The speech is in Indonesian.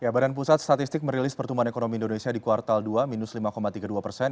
badan pusat statistik merilis pertumbuhan ekonomi indonesia di kuartal dua minus lima tiga puluh dua persen